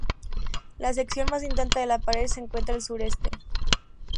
La sección más intacta de la pared se encuentra al sureste.